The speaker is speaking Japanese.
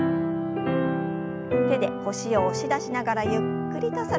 手で腰を押し出しながらゆっくりと反らせます。